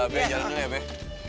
beh jalannya ya beh